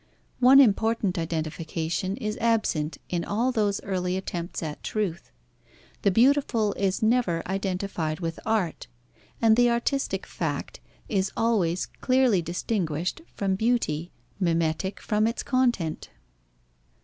One important identification is absent in all those early attempts at truth. The beautiful is never identified with art, and the artistic fact is always clearly distinguished from beauty, mimetic from its content.